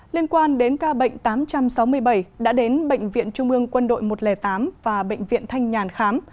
liên quan đến ca bệnh tám trăm sáu mươi bảy đã đến bệnh viện trung ương quân đội một trăm linh tám và bệnh viện thanh nhàn khám